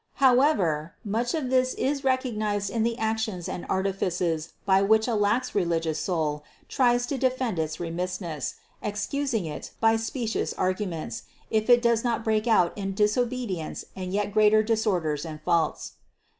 However, much of this is recognized in the actions and artifices by which a lax religious soul tries to defend its remissness, excusing it by specious arguments, if it does not break out in disobedience and yet greater disorders and faults.